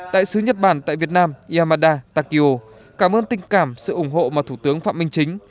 đại sứ nhật bản tại việt nam yamada takio cảm ơn tình cảm sự ủng hộ mà thủ tướng phạm minh chính